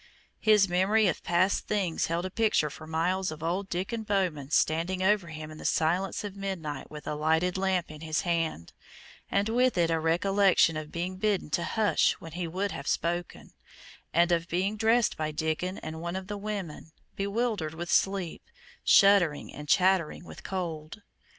His memory of past things held a picture for Myles of old Diccon Bowman standing over him in the silence of midnight with a lighted lamp in his hand, and with it a recollection of being bidden to hush when he would have spoken, and of being dressed by Diccon and one of the women, bewildered with sleep, shuddering and chattering with cold.